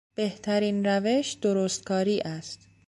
بهترین روش درستکاری است.